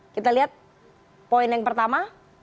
kita lihat poin yang pertama